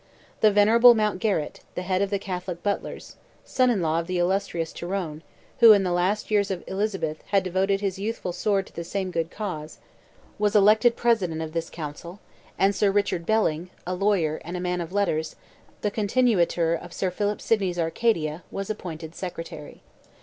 The venerable Mountgarrett, the head of the Catholic Butlers, (son in law of the illustrious Tyrone, who, in the last years of Elizabeth, had devoted his youthful sword to the same good cause,) was elected president of this council; and Sir Richard Belling, a lawyer, and a man of letters, the continuator of Sir Philip Sydney's Arcadia, was appointed secretary.